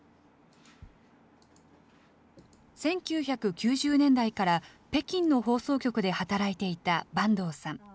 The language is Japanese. １９９０年代から北京の放送局で働いていた坂東さん。